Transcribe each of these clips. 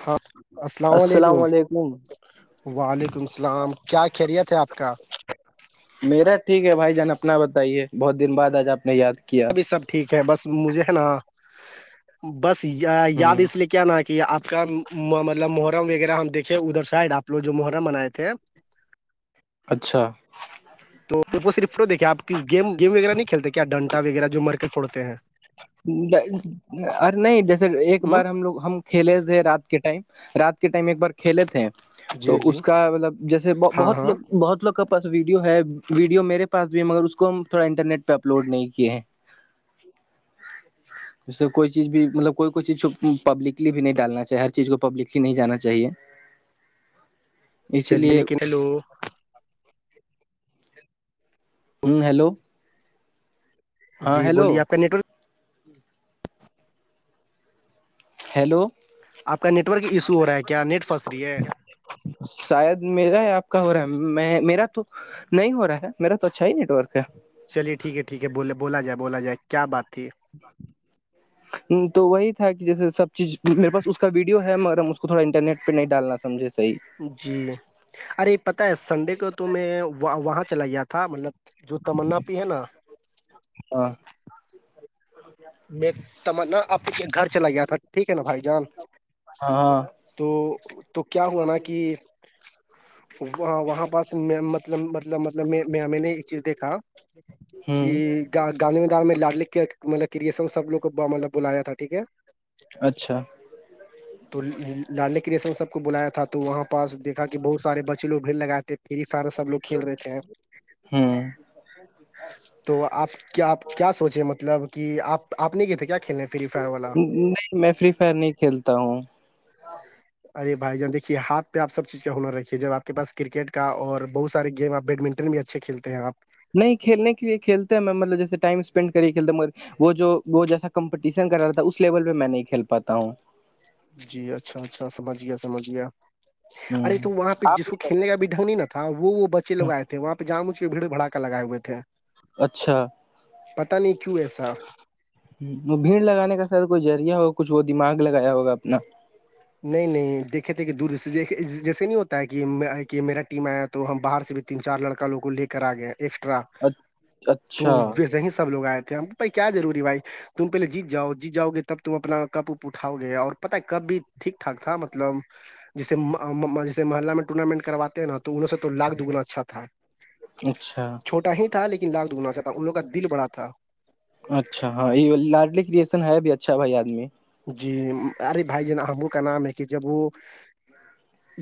ہاں السلام علیکم وعلیکم السلام کیا خیریت ہے آپ کا میرا ٹھیک ہے بھائی جان اپنا بتائیے بہت دن بعد آج آپ نے یاد کیا ابھی سب ٹھیک ہے بس مجھے ہے نا بس یاد ہوں اس لیے کیا کہ کہ آپ کا مطلب محرم وغیرہ ہم دیکھے ادھر سائڈ آپ لوگ جو محرم منائے تھے اچھا تو وہ صفو دیکھ آپ گیم گیم وغیرہ نہیں کھیلتے کیا ڈنٹا وغیرہ جو مر کے پھوڑتے ہیں ارے نہیں جیسے ایک ہ بار ہم لوگ ہم کھیلے تھے رات کے ٹائم رات کے ٹائم ایک بار کھیلے تھے جی تو جی اس کا مطلب جیسے ہاں بہت ہاں لوگ بہت لوگ کا پاس ویڈیو ہے ویو میرے پاس بھی ہے مگر اسس کو ہم تھوڑا انٹرنیٹ پہ اپلوڈ نہیں کیے ہیں اسے کوئی چیز بھی مطلب کوئی کوئی چیز پبلکلی بھی نہیں ڈالنا چاہے ہر چیز کو پبلک ک نہیں جانا چاہیے اسی چلیے لیے لیکن ہیلو ہوں ہیلو ہاں جی ہیلو بولیے آپ کا نیٹ ورک ہیلو آپ کا نیٹ ورک ایشو ہو رہا ہے کیا نیٹ پھنس رہی ہے شاید میرا ہی آپ کا ہو رہا ہے میں میرا تو نہیں ہو رہا ہے میرا تو اچھا ہی نیٹ ورک ہے چلیے ٹھیک ہے ٹھیک ہے بولے بولا جائے بولا جائے کیا بات تھی [inaudible] تو وہی تھا کہ جسے سب چیز میرے پا اس کا ویڈیو ہے مگر ہم اس کو تھوڑا انٹرنیٹ پہ نہیں ڈالنا سجھے صح جی ارے پتہ ہے سنڈے کو تو میں وہاں چلا گیا تھا مطلب جو تمنا پی ہے نا ہاں میں تم آپ کے گھر چلا گیا تھا ٹھیک ہے نا بھائی جان ہاں تو تو کیا ہوا نا کہ وہ وہاں پاس مطلب مطلب میں نے ایک چیز دیکھا کہ ہوں گانانے میں دار میں لاڈ لکھ کے مطلب کر سن سب لوگ کو مطلب بلایا تھا ٹھیک ہے اچھا تو لالے کے جیسے سب کو بلایا تھا تو وہاں پاس دیکھا کہ بہت سارے بے کچ لوگ بھیڑ لگاتے فری فائر سب لوگ کھیل رہےتے ہیں ہوں تو آپ کیا آپ کیا سوچے مطلب کہ آپ آپ نے کہ تھے کیا کھیلنے فری فائر والا نہیں میں فری فائر نہیں کھیلتا ہوں ارے بھائی جان دیکھیے ہات پہ آ سب چیز کا ہنر رھیے ج آپ کے پا کرکٹ کا اور بہت سارے گی آپ بیڈمنٹن ٹ بھی اچھے کھیلتے ہیں آپ نہیں کھیلنے کے لی کھیلتے ہیں میں مطلب جیسے ٹائمپینڈ کر کے کھیلتا مگر وہ جو وہ جیسا کمپٹیشن کر رہا تھا اس لیول پہ میں نہیں کھیل پاتا ہوں جی اچھا اچھا سمجھ گیا سمجھ گیا ہ ارے تو وہاں پہ آپ جس کو نہیں کرتے؟ کھیلنے کا بھی ڈھنگ نہیں ن تھا تھا وہ بچے لگئےے وہاںہ جانچ کے بھیڑ بڑا لگائے ہوئے تھے اچھا پتا نہیں کیوں ایسا ہ بھیڑ لگانے کا سر کوئی ذریعہ ہوگا کچھ وہ دماغ لگایا ہوگا اپنا نہیں نہیں دیکھے تھے کہ دور سے د جیسے نہیں ہوتا ہے کہ کہ میرا ٹیم آیا تو ہم باہر سے بھی تین چار لڑکا لوگ کو لے کر آ گئے ایکسٹرا تو اچھا ویسے ہی سب لوگ آئے تھے ہم کیا روری بھائی تم پہلےیت جاؤ جیت جاؤ گے تب تم اپنا کپ اٹاؤ گے اور پتا ہے کب بھی ٹھیک ٹھاک تھا مطلب جیسے جیسے محلہ میں ٹورنامنٹ کرواتے ہیں نا انوں سے تو لاک دگنا اچھا تھا اچھا چھوٹا ہی تھا لن لاگٹ گنا چا تھا ان لووں کا دل بڑا تھا اچھا ہاں یہ لاڈلی کرشن ہے بھی اچھا بھائی آدمی جی ارے بھائی ج ن ہموں کا نام ہے کہ جب وہ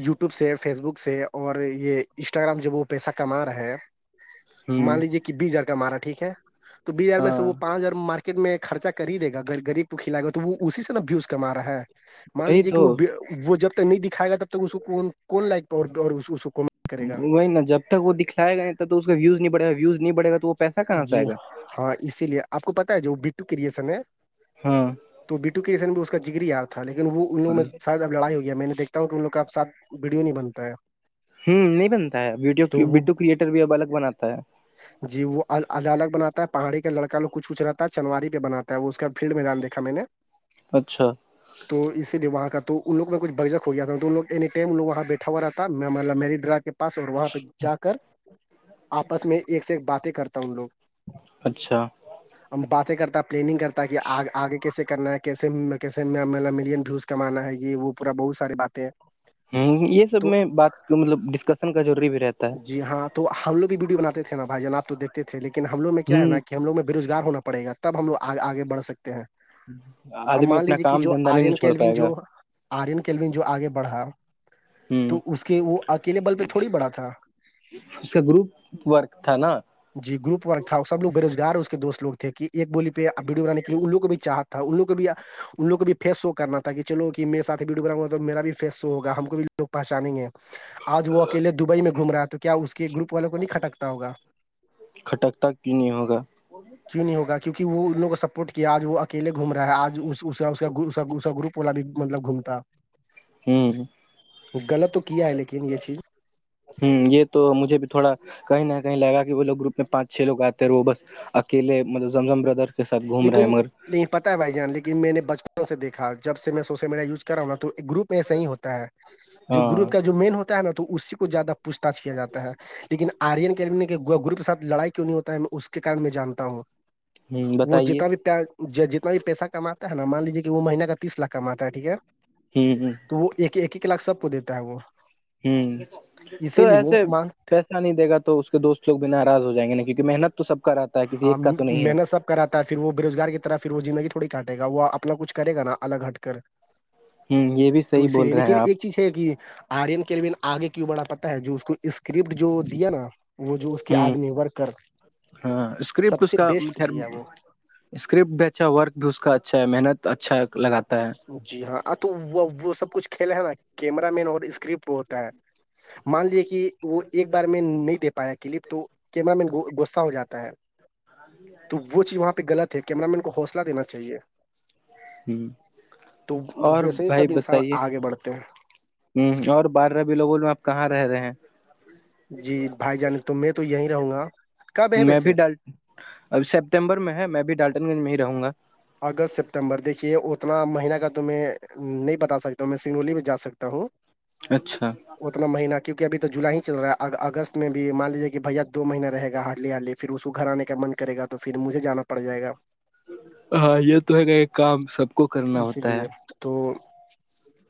یو ٹیوب سے فیس بک سے اور یہ انسٹاگررام جب وہ پیسہ کما رہا ہے مان ہوں لیجیے کہ بیس ہزار کا مارا ٹھیک ہے تو بیس ہزار میں سے ہاں وہ پانچ ہزار مار میں خرچا کر ہی دے گا غب کو کھلائے گا تو وہ اسی سے نابوز کم رہا ہے مان وہی لیجے تو کہ وہ وہ جب تک نہیں دکھائے گا تب تک اس کو کون لائق اور اس کو کرے گا وہی ن جب تک وہ دکھلائے گا نہیں تب تو اس کا ویوز نہیں بڑےا ویوز نہیں بڑے گا تو وہ پیسہ کہاں سے جی آئے گا ہاں اسی لیے آپ کو پتا ہے جو بٹو کرشن ہے ہاں تو بٹو کےسن میں اس کا جگری یاار تھا لیکن وہ ان لووں میں شاید لڑائی ہوئی ہے میں نے دیکتا ہوں کہ ان لوگ کاپ سھ ویڈیو نہیں بنتا ہے ہوں نہیں بنتا تو ہےیو وہ ویڈو کریئٹر بھی اب الگ بناتا ہے جی وہ ال الگ بنات ہے پہاڑی کا لڑک لوگچ کچھ رہتا ہے چنواری پہ بنات ہے وہ اس کا فیلڈ میںیدان دیکا میں نے اچھا تو اسی لیے وہاں کا تو ان لوگ کا کچھ برجک ہو گیا تھا تو لوگینی ائم لوگ وہاں بیٹھا ہوا تھا میں مطب میری ڈرا کے پاس اور وہاں پہ جا کر آپس میں ایک سے ایک بات کرتا ان لوگ اچھا ا باتیں کرتا پلاننگ کرتا کہ آگے کیسے کرنا ہے کیسے کیے ملین ویوز کمانا ہے یہ وہ پورا بہت ساری باتیں ہ یہ سب تو میں بات مطلب ڈسکشن کا ضروری بھی رہتا ہے جی ہاں تو ہم لوگ بھی ویڈیو بنے تھے نا بھائی جان آپ دیکھتے تھے لیکن ہم لوگ میں کیا ہے ہوں نا کہ ہم لوگ میں بے روگار ہونا پڑے گاب ہم لوگ آگےڑھ سکتے ہیں آ آدمی مان اپنا لیجیے کہ کام جو دھندا نہیں نہیں آرین چھوڑ کیلین پائے جو گا آرین کیلوین جو آگے بڑھا ہ تو اس کے وہ اکیلے بل پہ تھوڑی بڑا تھا اس کا گروپ ورک تھا نا جی گروپ ورک تھا سب لو بے روزگار اس کے دوست لو تھے کہ ایک بولی پہ ویڈو بنان کے لیے انو کو بھی چا تھا ان لوگ کو بھی ان لگ کو بھی فیس وہ کرنا تھا تہ چلو کہ میںیر ساتھ بھی ڈوباؤںا تو میرا بھی فیسو ہوگا ہم کو بھیوگ پہچانیں گے آج وہ اکیلے دبئی میں گھوم رہا ہے تو کیا اس کے گروپ والوں کو نہیں کھٹکتا ہوگا کھٹکتا کی نہیں ہوگا کیوں نہیں ہوگا کیکہ وہ ان لووں کو سپورٹ کیا آج وہ اکیے گھوم رہا ہے آج اس اس اس اس کا گروپ والا بھی مطلب گھومتا ہوں غلط تو کیا ہے لیکن یہ چیز ہوں یہ تو مجھے بھی تھوڑا کہیں نہ کہیں لگا کہ وہ لوگ گروپ میں پانچ چھ لوگ آتے ہیں وہ بس اکیے مطلب زمزم بردر اس ساتھ گھوم رہا ہے مگر لیک پتا ہے بائی جان لیکن میں نے بچپن سے دیکا جب سے میں سوشل میڈیا یو کر رہا ہوںا تو ایک گروپ ایسا ہی ہوتا ہے جو ہاں گروپ کا جو مین ہوتا ہے نا تو اسی کو زیادہ پوچھ تچھ کیا جاتا ہے لیکن آرین گروپ کے سات لڑائی کیوں نہیں ہوتا ہے اس کے کار میں جانتا ہوں ہ وہ بتائیے جتنا بھی جتنا بھی پیسہ کما ہے نا مان لیجیے کہ وہ مہیہ کا تیس لاکھ کماتا ہے ٹھیک ہے ہ تو وہ ایک ایک ایک لاکھ سب کو دیتا ہے وہ ہوں تو اسی لیے ایسےس وہ اچھا نہیں دے گا تو اس کے دوست لوگ بھی ناراض ہو جائ گے نا کیونکہ محنت تو سب کا رہتا ہے کسی ہاں ایک کا تو نہیں ہے محنت سب کراتا ہے پھر وہ بے روزار کی طرح پھر وہ زندگی تھوڑی کاٹےا وہ اپنا کچھ کرے گا الگ ہٹ کر ہ یہ بھی تو صحیح اسی بول لیے رہے ہیں لیکن آپ ایک چیز ہے کہ آرین کیرمین آگے کیوں بڑا پتا ہے جو اس کو اس اسکرپٹ جو دیا نا وہ جو اس کے ہ آگ ن بھر کر ہاں اسکرپٹ اس کا خیر دیا وہ اسکرپٹ بھی اچھا ورک بھی اس کا اچھا ہے محنت اچھا لگاتا ہے جی ہاں ا تو وہ وہ سب کچھ کھیلا ہے نا کیمرہ مین اور اسکرپٹ ہوتا ہے مان لیے کہ وہ ایک بار میں نہیں دتا پایا کلپ تو کیمرا مین گغصہ ہو جاتا ہے تو وہ چیز وہاں پہ غلط کیمر مین کو حوصلہ دینااہیے ہ تو اور ویسے ہی سب بھائی انسان بتائیے آگے بڑھتے ہیں ہ اور بارہو لوگول میں آپ کہاں رہ رہے ہیں جی بھائی جانے تو میں تو یہی رہوں گا کب ہے میں بھی ویسے ڈال اب سیپتمبر میں ہے میں بھی ڈالٹن گنج میں ہی رہوں گا اگست سپتمبر دیکھیے اتنا مہینہ کا تو میں میں نہیں بتا سکتا ہوں میں سنگولی میں جا سکتا ہوں اچھا اتنا مہینہ کیونک ابھی تو جو جلائی ہی چل رہا ہے اگست میں بھی مان لیجیے کہ بھیا دو مہینہ رہ گا ہارلی ہارلی پھر اس کو گھر آنے کا من کرے گا تو پھر مجھے جانا پڑ جائے گا ہاں یہ تو ہے گا یہ کام سب کو کرنا اسی ہوتا ہے لیے تو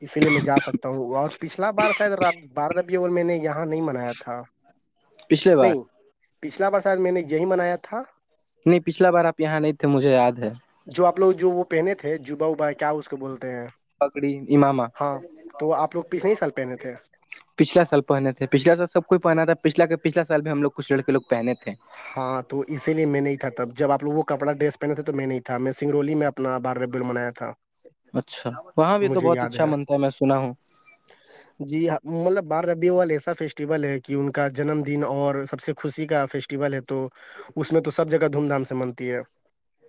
اسی لیے میں جا سکتا ہوں اور پچھلا بار شاید باربی اور میں نے یہاں نہیں منایا تھا پچھلے بار نہیں پچھلا بار شا میں نے یہی منایا تھا نہیں پچھلا بار آپ یہاں نہیں تھے مجھے یاد ہے جو آ لوگ جو وہ پہنے تھے جبا ووبا کیا اس کو بولتے پگڑی اماما ہاں تو آپ لوگ پچھنے سال پہنے تھے پچھلا سال پہنے تھے پچھلا سال سب کوئی پہنا تھا پچھلا کہ پچھلا سال بھی ہم لوگ کچھ لڑے لگ پہنے تھے ہاں تو اسی لیے میں نہیں تھا تب جب آ لو وہ کپڑا ڈریس پہن تھے تو میں نہیں تھا میں سنگرولی میں اپنا باربل منایا تھا اچھا وہاں بھی تو مجھے بہت یاد اچھا منتا ہے میں سنا ہوں جی ہ مطلب بارہ ربیع وال ایسا فیسٹیول ہے کہ ان کا جنم دن اور سب سے خوشی کا فیس ہے تو اس میں تو سب جگہ دھوم دھام سے ملتی ہے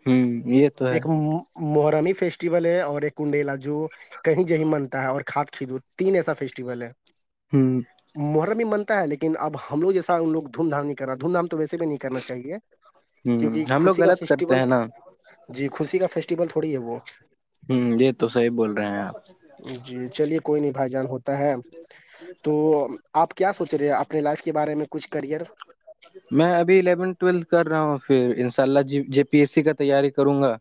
ہ یہ تو ہے ایک محرممی فیسٹیول ہے اور ایک کنڈیلا جو کہیں جی منتا ہے اور کھاد کد تین ایسا فیسٹیول ہے ہ محرممینتا لن اب ہم لو جیسا ان لوگ دھوم دھام نہیں کر رہا دھوم دام تو ویسے بھی نہیں کرنا چاہیے ہ کیونکہ ہم لوگ خوشی کا غلط کرتے فیسٹیول ہیں نا جی خوشی کا فیسٹیول تھوڑی ہے وہ ہوں یہی تو صحیح بول رہے ہیں آپ جی چلیے کوئی نہیں بھائی جان ہوتا ہے تو آپ کیا سوچ رہے ہیں اپنے لائف کے بارے میں کچھ کریئر میں ابھی الیون ٹویلتھ کر رہا ہوں پھر انشاء اللہ جے پی ایس سی کا تیاری کروں گا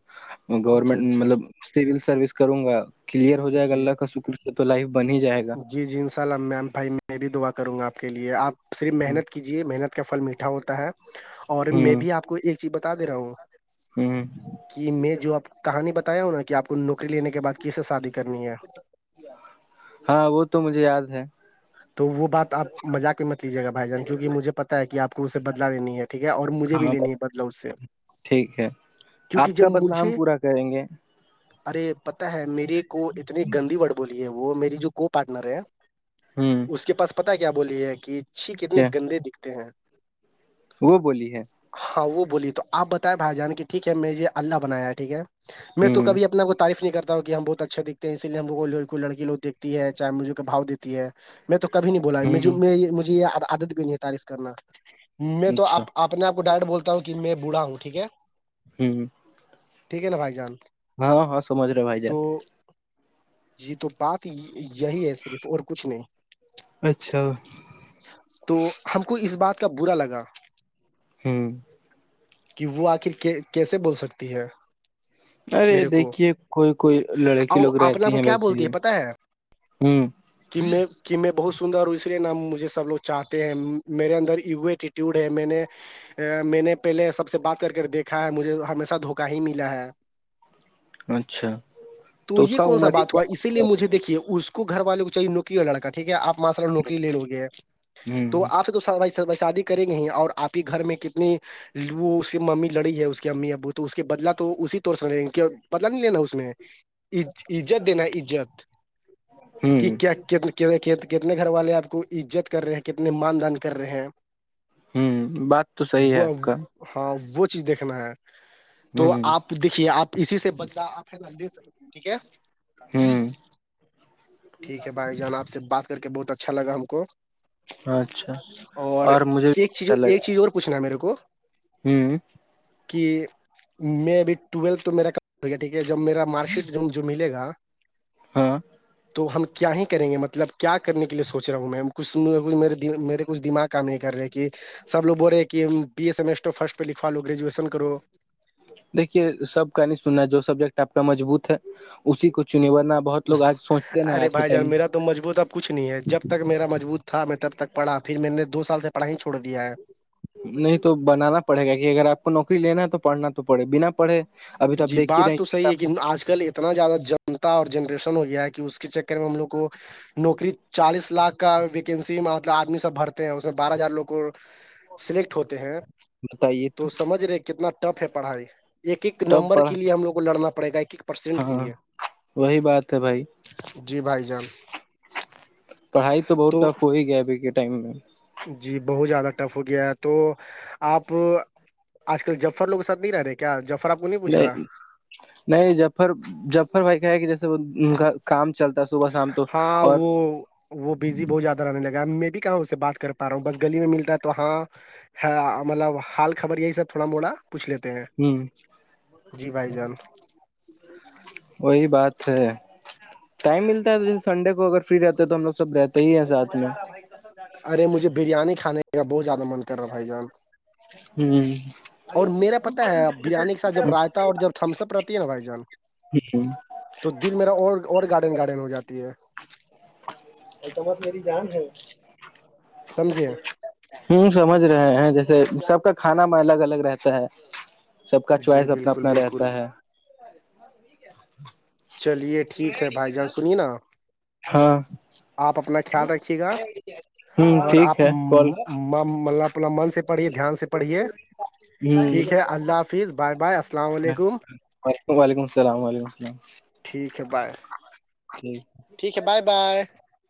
اچھا گورنمنٹ اچھا مطلب سول سروس کروں گا کلیئر ہو جائے گا جی اللہ کا شکر تو لائف بن ہی جائے گا جی جی ان شاء اللہ میم بھائی میں بھی دعا کروں گا آپ کے لیے آپ صرف ہ محنت کیجیے محنت کا پھل میٹھا ہو ہے اور میں ہ بھی آپ کو ایک چیز بتا دے رہا ہوں ہ کہ میں جو آپ کہانی بتایا ہوں نا کہ آپ کو نوکری لینے کے بعد کیسے شادی کرنی ہے ہاں وہ تو مجھے یاد ہے تو وہ بات آپ مذاق میں مت لیجیے گا بھائی جان کیون کہ مجھے پتا ہے کہ آپ کو اسے بدلا لینی ہے ٹھیک ہے اور مجھے بھی ہاں لینی ہے بدلو سے ٹھیک ہے کیونکہ آپ جب کا بدلہ مجھے ہم پورا کریں گے ارے پتا ہے میرے کو اتنی گندی وورڈ بولی ہے وہ میری جو کو پارٹنر ہے ہ اس کے پاس پتا کیا بولی ہے کہ چھی کتنے کیا گندے دکھتے ہیں وہ بولی ہے ہاں وہ بولی تو آپ بتیں بھائی جان کی ٹھیک ہے مجھے اللہ بنایا ہے ٹھیک ہے میں تو ہ کب اپنا کو تعریف نہیں کرتا ہوں کہ ہم بول اچھا دکھتے ہیں اسی لیے ہم کوئی لڑکیوگیکھتی ہے چاہ مجھے کا باؤ دیتی ہے میں تو کبھی نہیں بولا ہ مجھے یہ عادت بھی نہیں ہے تعریف کرنا میں تو آپ اچھا آپ اپنے آ کو ڈائرٹ بولتا ہوں کہ میں بھڑا ہوں ٹھیک ہے ہوں ٹھیک ہےا بھائی جان ہاں ہاں سمجر بائی جان تو جی تو بات یہی ہے صرف اور کچھ نہیں اچھا تو ہم کو اس بات کا برا لگا ہوں کہ وہ آخر کیسے بول سکتی ہے ارے میرے کو دیکھیے کوئی کوئی لڑکی اور لوگ رہتی اپنا کو ہیں کیا ویسے بولتی ہی ہے پتا ہے ہوں میں کہ میں بہت سندر ہوں اسے نام مجھے سب لوگ چاہتے ہیں میرے اندر ٹیوڈ ہے میں نے میں نے پہلے سب سے بات کر کے دیکھا ہے مجھے ہمیشہ دھوکہ ہی ملا ہے اچھا تو اس یہ کا کون سا عمر ہی بات ہوا اسی کیا لیے مجھے دیکھیے اس کو گھر والے کو چاہے نک ہو لڑکا ٹھیک ہے آپ ماشاء اللہ نوکری لے لو گے تو ہوں آپ سے تو شادی کے کریں گے ہی اور آپ ہی گھر میں کتنی وہ اس کی ممی لڑی ہے اس کی امی ابو تو اس کے بدلا تو اسی طور سے لڑے گ بدلا نہیں لینا اس میں عزت دینا عزت کہ ہوں کیا کتنے گھر والے آپ کو عزت کر رہے ہیں کتنے مان دان کر رہے ہیں ہوں بات تو صحیح ہے وہ آپ کا ہاں وہ چیز دیکھنا ہے تو ہوں آپ دیکھیے آپ اسی سے بدلا آپے سک ٹھیک ہے ہوں ٹھیک ہے بھائی جان آپ سے بات کر کے بہت اچھا لگا ہم کو اچھا اور مجھے ایک بھی چیز اچھا ایک لگا چیز اور پوچھنا میرے کو ہوں کہ میں ابھی ٹویل تو میرا کام ہو گیا ٹھیک ہے جب میرا مارک شیٹ ملے گا ہاں تو ہم کیا ہی کریں گے مطلب کیا کرنے کے لیے سوچ رہا ہوں میںم کچھ مے میرے کچھ دماغ کام نہیں کر رہے کہ سب لگ بول رہے ہیں کہ بی ایس ایمسٹ فرسٹ پہ لکھوا لو گریجویشن کرو دیکھیے سب کا نہیں سننا جو سبجیکٹ آپ کا مجبوط ہے اسی کو چنیا ارے بھائی جان میرا تو مضبوط اب کچھ نہیں ہے جب تک میرا مضبوط تھا میں تب تک پڑھا پھر میں نے دو سال سے پڑھا ہی چھوڑ دیا ہے نہیں تو بنانا پڑے گا کہ اگر آپ کو نوکری لینا ہے تو پڑھنا تو پڑے بنا پڑھے ابھی تو آپ جی دیکھ ہی رہے بات تو صحی ہیں، ہے کہ آج کل اتنا زیادہ جنتا اور جنریشن ہو گیا ہے کہ اس کے چکر میں ہم لوگ کو نوکری چالیس لاکھ کا ویکینسی مطلب آدمی سب بھرتا ہیں اس میں بارہ ہزار لوگ کو سلیکٹ ہوتے ہیں بتائیے تو سمجھ رہے کتنا ٹف ہے پڑھائی ایک ایک تب نمبر کے پڑھا لیے ہم لوگ کو لڑنا پڑے گا ایک ایک پرسینٹ کے ہاں لیے وہی بات ہے بھائی جی بھائی جان پڑھائی تو بہت ٹف ہو ہی گیا ابھی کے ٹائم میں جی بہت زیادہ ٹف ہو گیا ہے تو آپ آج کل جفر لوگ سد نہیں رہے کیا جفر کو پوچھ رہا نہیں نہیں جففر جففر بھائی کہ ہے کہ جیسے ان کا کام چلتا صبح شام تو ہاں اور وہ وہ بزی بہت جیاد آنے لگا میں بھی کہاں اس سے بات کر پا رہا ہوں بس گلی میں ملتا ہے تو ہاں مطلب حال خبر یہی سب تھوڑا موڑا پوچھ لیتے ہیں ہ جی بھائی جان وہی بات ہے ٹائم ملتا ہے سنڈے کو اگر فری رہتے تو ہم لو سب رہ ارے مجھے بریانی کھانے کا بہت زیادہ من کر رہا بھائی جان ہ اور میرا پتا ہے بریانی کے ساتھ جب رات اور جب تھمسپ رہتی ہے نا بھائی جان ہچ تو دل میرا اور اور گارڈن گارڈن ہو جاتی ہے التمس میری جان ہے سمجھے ہوں سمجھ رہے ہیں جیسے سب کا کھانا میں الگ الگ رہتا ہے سب کا جی چوائس اپنا بالکل اپنا بالکل رہتا ہے چلیے ٹھیک ہے بھائی جان سنیے نا ہاں آپ اپنا خیال رکھیے گا ہ اور ٹھیک آپ ہے کال مطلب اپنا من سے پڑھیے دھیان سے پڑھیے ٹھیک ہے اللہ حافظ بائے بائے اسلام وعلیکم وعلیکم السلام وعلیکم السلام ٹھیک ہے بائے جی ٹھیک ہے بائے بائے